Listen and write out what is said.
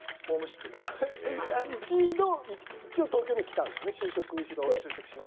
一度、一応東京には来たんですね。